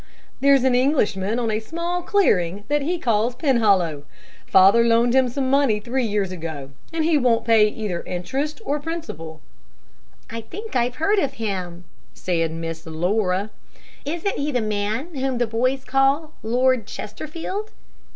"There's an Englishman on a small clearing that he calls Penhollow. Father loaned him some money three years ago, and he won't pay either interest or principal." "I think I've heard of him," said Miss Laura "Isn't he the man whom the boys call Lord Chesterfield?"